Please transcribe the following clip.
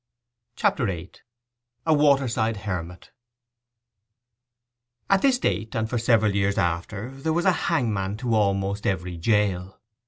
CHAPTER VIII—A WATER SIDE HERMIT At this date, and for several years after, there was a hangman to almost every jail.